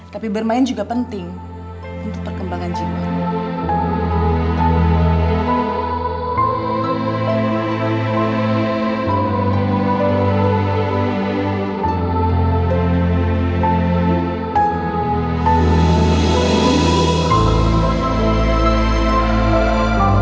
tapi bermain juga penting untuk perkembangan jiwa